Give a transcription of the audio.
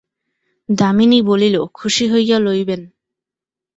দামিনী বলিল, খুশি হইয়া লইবেন।